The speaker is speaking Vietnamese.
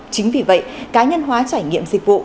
chính vì vậy cá nhân hóa trải nghiệm dịch vụ